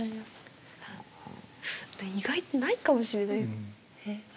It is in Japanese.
意外とないかもしれない。